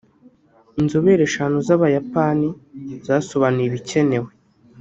Inzobere eshanu z’Abayapani zasobanuye ibikenewe